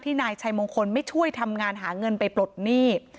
นายชัยมงคลไม่ช่วยทำงานหาเงินไปปลดหนี้